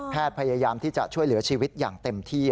พยายามที่จะช่วยเหลือชีวิตอย่างเต็มที่